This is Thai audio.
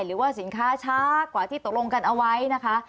หรือว่าสินค้าช้ากว่าที่ตกลงกันเอาไว้นะคะ